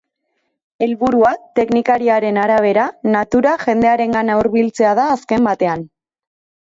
Helburua, teknikariaren arabera, natura jendearengana hurbiltzea da azken batean.